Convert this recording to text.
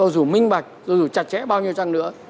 dù minh bạch dù chặt chẽ bao nhiêu chăng nữa